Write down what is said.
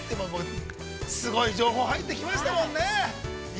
すごい情報が入ってきましたもんね！